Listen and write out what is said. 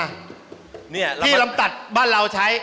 นี่ที่ลำตัดบ้านเราใช้